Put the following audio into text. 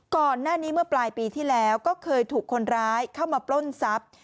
ก่อนหน้านี้เมื่อปลายปีที่แล้วก็เคยถูกคนร้ายเข้ามาปล้นทรัพย์